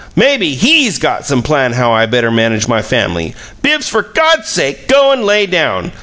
Maybe HE'S got some plan how I better manage my family. Bibbs, for God's sake go and lay down!